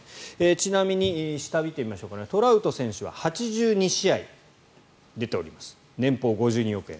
ちなみに下を見てみましょうかトラウト選手は８２試合出ております年俸５２億円。